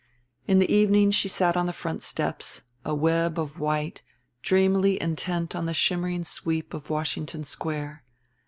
In the evening she sat on the front steps, a web of white, dreamily intent on the shimmering sweep of Washington Square.